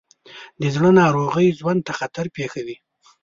د زړه ناروغۍ ژوند ته خطر پېښوي.